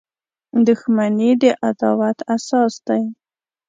• دښمني د عداوت اساس دی.